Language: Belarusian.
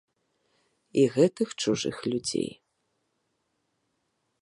І гэтых чужых людзей.